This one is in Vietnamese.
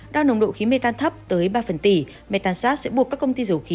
đo nồng độ khí metan thấp tới ba phần tỷ metansat sẽ buộc các công ty dầu khí